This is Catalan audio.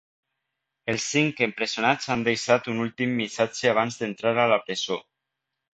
Els cinc empresonats han deixat un últim missatge abans d’entrar a la presó.